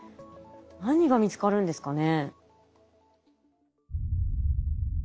何が見つかるんですかね？